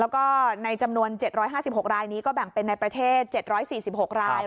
แล้วก็ในจำนวน๗๕๖รายนี้ก็แบ่งเป็นในประเทศ๗๔๖ราย